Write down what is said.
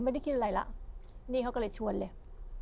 ไม่ได้กินอะไรแล้วนี่เขาก็เลยชวนเลย